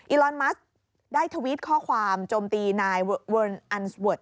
อลอนมัสได้ทวิตข้อความโจมตีนายเวิร์นอันสเวิร์ด